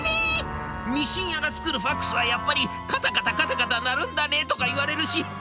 『ミシン屋が作るＦＡＸはやっぱりカタカタカタカタ鳴るんだね』とか言われるし。